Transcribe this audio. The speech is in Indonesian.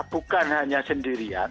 bukan hanya sendirian